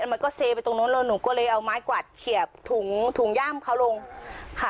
มันก็เซไปตรงนู้นแล้วหนูก็เลยเอาไม้กวาดเฉียบถุงถุงย่ามเขาลงค่ะ